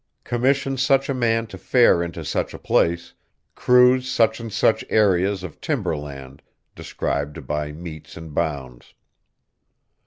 Commission such a man to fare into such a place, cruise such and such areas of timber land, described by metes and bounds.